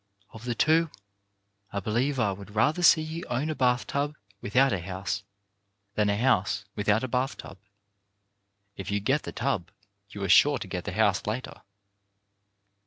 Of the two, I believe I would rather see you own a bathtub without a house, than a house without a bathtub. If you get the tub you are sure to get the house later.